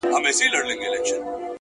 نو گراني ته چي زما قدم باندي~